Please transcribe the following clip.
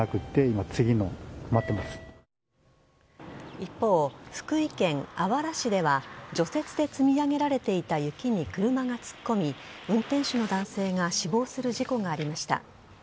一方、福井県あわら市では除雪で積み上げられていた雪に車が突っ込み運転手の男性が死亡する事故がありました。